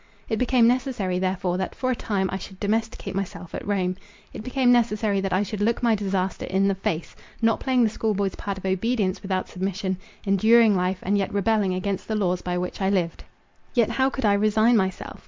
It became necessary therefore, that for a time I should domesticate myself at Rome. It became necessary, that I should look my disaster in the face— not playing the school boy's part of obedience without submission; enduring life, and yet rebelling against the laws by which I lived. Yet how could I resign myself?